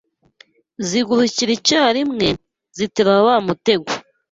Zigurukira icyarimwe, ziterura wa mutego